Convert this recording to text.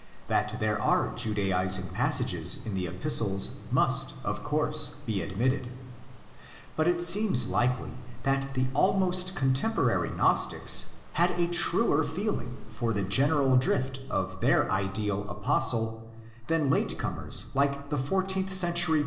That there are Judaising passages in the Epistles must, of course, be admitted; but it seems likely that the almost contemporary Gnostics had a truer feeling for the general drift of their ideal Apostle than late comers like the fourteenth century precursors of Luther and Calvin.